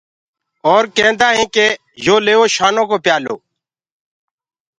اور ڪيندآ هينٚ ڪي يو ليوو شانو ڪو پيآلو۔